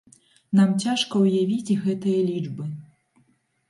Нам цяжка ўявіць гэтыя лічбы.